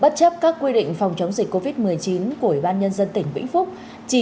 từ phòng chống dịch covid một mươi chín của ủy ban nhân dân tỉnh vĩnh phúc